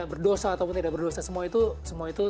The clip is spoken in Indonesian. berdosa atau tidak berdosa semua itu